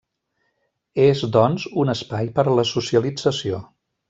És, doncs, un espai per a la socialització.